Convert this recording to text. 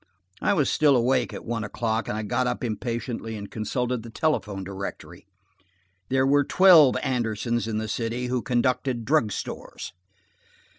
I was still awake at one o'clock and I got up impatiently and consulted the telephone directory. There were twelve Andersons in the city who conducted drug stores.